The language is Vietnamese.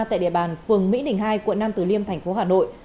tại địa bàn phường mỹ đình hai quận nam tứ liêm tp hà nội